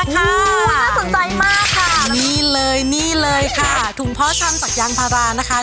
น่าสนใจมากค่ะนี่เลยนี่เลยค่ะถุงพ่อชำจากยางพารานะคะ